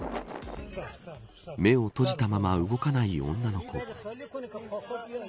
目を閉じたまま動かない女の子。